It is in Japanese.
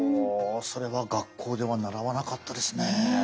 それは学校では習わなかったですね。